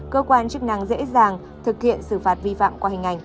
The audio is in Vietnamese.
cơ quan chức năng dễ dàng thực hiện xử phạt vi phạm qua hình ảnh